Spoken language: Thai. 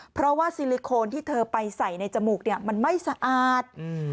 เพราะว่าซิลิโคนที่เธอไปใส่ในจมูกเนี่ยมันไม่สะอาด